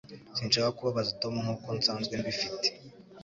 Sinshaka kubabaza Tom nkuko nsanzwe mbifite